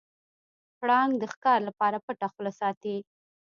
پړانګ د ښکار لپاره پټه خوله ساتي.